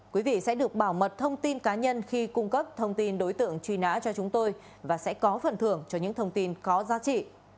quý vị sẽ được bảo mật thông tin cá nhân khi cung cấp thông tin đối tượng truy nã cho chúng tôi và sẽ có phần thưởng cho những thông tin có giá trị